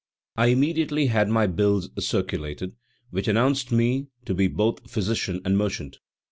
I immediately had my bills circulated, which announced me to be both physician and merchant.